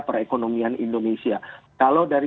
perekonomian indonesia kalau dari